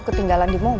ketinggalan di mobil